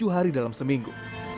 tujuh hari dalam seminggu